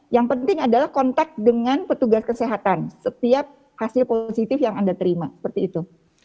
yang penting adalah kontak dengan petugas kesehatan setiap hasil positif yang anda terima seperti itu